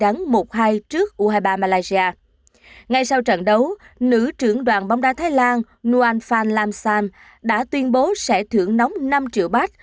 nữ trưởng đoàn bóng đá thái lan nguyen phan lam sam đã tuyên bố sẽ thưởng nóng năm triệu bát